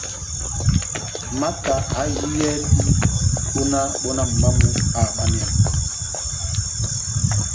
Mata aháhindi yɛ́hɛ́pi ó náh bɔ náh momó wamu báháhabanɛhɛni.